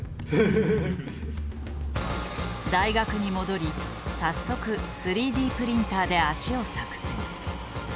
大学に戻り早速３Ｄプリンターで足を作成。